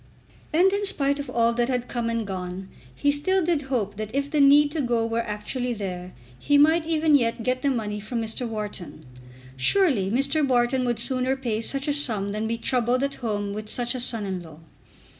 And in spite of all that had come and gone he still did hope that if the need to go were actually there he might even yet get the money from Mr. Wharton. Surely Mr. Wharton would sooner pay such a sum than be troubled at home with such a son in law.